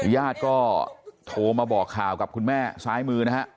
ญาติก็โทรมาบอกข่าวกับคุณแม่ซ้ายมือนะฮะ